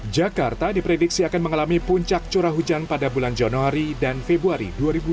jakarta diprediksi akan mengalami puncak curah hujan pada bulan januari dan februari dua ribu dua puluh